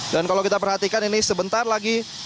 dan kalau kita perhatikan ini sebentar lagi